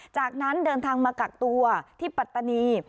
จากนั้นเดินทางมากักตัวที่ปัตตานี